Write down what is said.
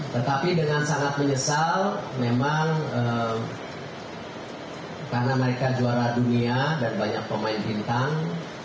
tetapi dengan sangat menyesal memang karena mereka juara dunia dan banyak pemain bintang